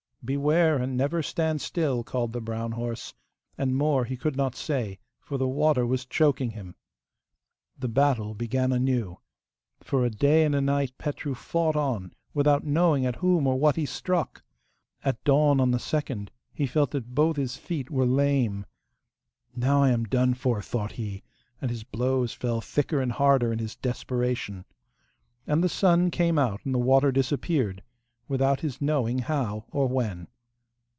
'Beware, and never stand still,' called the brown horse, and more he could not say, for the water was choking him. The battle began anew. For a day and a night Petru fought on, without knowing at whom or what he struck. At dawn on the second, he felt that both his feet were lame. 'Now I am done for,' thought he, and his blows fell thicker and harder in his desperation. And the sun came out and the water disappeared, without his knowing how or when.